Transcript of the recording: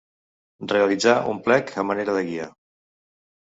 Realitzar un plec a manera de guia.